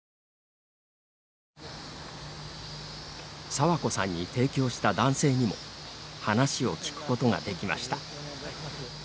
佐和子さんに提供した男性にも話を聞くことができました。